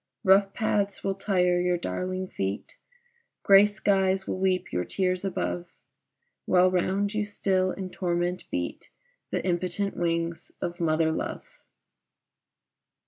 Rough paths will tire your darling feet, Gray skies will weep your tears above, While round you still, in torment, beat The impotent wings of mother love.